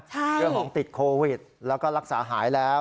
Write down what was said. เรื่องของติดโควิดแล้วก็รักษาหายแล้ว